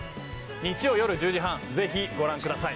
日曜夜１０時半ぜひご覧ください。